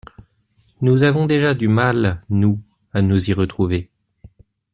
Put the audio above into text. Nous avons déjà du mal, nous, à nous y retrouver.